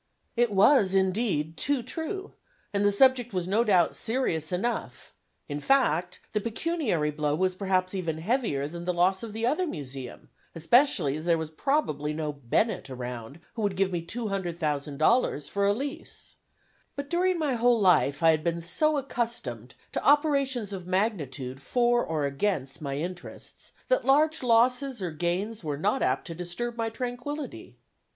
It was indeed too true, and the subject was no doubt "serious" enough; in fact the pecuniary blow was perhaps even heavier than the loss of the other Museum, especially as there was probably no Bennett around who would give me $200,000 for a lease! But during my whole life I had been so much accustomed to operations of magnitude for or against my interests, that large losses or gains were not apt to disturb my tranquillity.